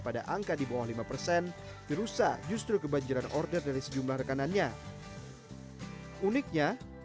pada angka di bawah lima persen jerusa justru kebanjiran order dari sejumlah rekanannya uniknya